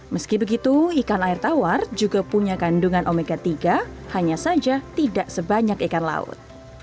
meski begitu ikan air tawar juga punya kandungan omega tiga hanya saja tidak sebanyak ikan laut